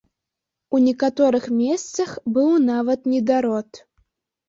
У некаторых месцах быў нават недарод.